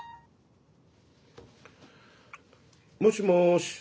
もしもし。